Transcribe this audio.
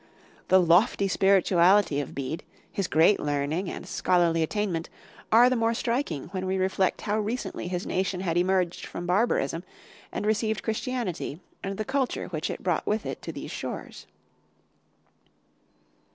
The lofty spirituality of Bede, his great learning and scholarly attainment are the more striking when we reflect how recently his nation had emerged from barbarism and received Christianity and the culture which it brought with it to these shores.